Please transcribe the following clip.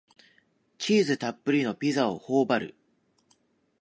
チーズたっぷりのピザをほおばる